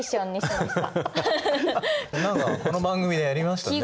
何かこの番組でやりましたね。